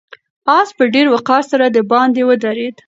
آس په ډېر وقار سره د باندې ودرېد.